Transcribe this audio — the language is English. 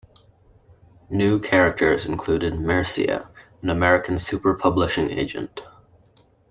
New characters included Marcia, an American super publishing agent.